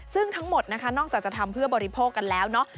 ซึ่งทั้งหมดนะคะนอกจากจะทำเพื่อบริโภคกันแล้วเนาะ